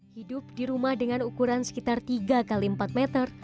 hidup di rumah dengan ukuran sekitar tiga x empat meter